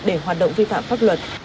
để hoạt động vi phạm pháp luật